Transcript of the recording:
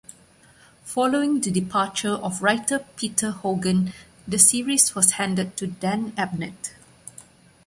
Following the departure of writer Peter Hogan, the series was handed to Dan Abnett.